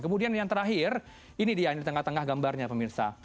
kemudian yang terakhir ini dia ini di tengah tengah gambarnya pemirsa